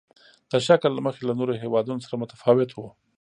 د شکل له مخې له نورو هېوادونو سره متفاوت وو.